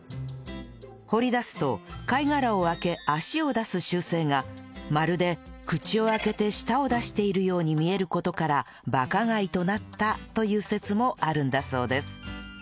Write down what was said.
掘り出すと貝殻を開け脚を出す習性がまるで口を開けて舌を出しているように見える事からバカガイとなったという説もあるんだそうです